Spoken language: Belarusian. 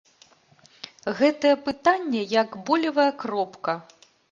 Гэтае пытанне як болевая кропка.